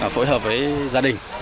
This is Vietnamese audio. phối hợp với gia đình